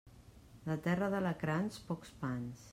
De terra d'alacrans, pocs pans.